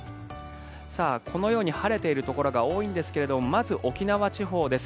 このように晴れているところが多いんですがまず沖縄地方です。